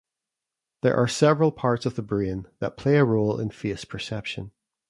There are several parts of the brain that play a role in face perception.